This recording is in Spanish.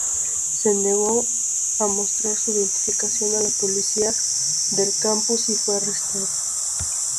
Se negó a mostrar su identificación a la policía del campus y fue arrestado.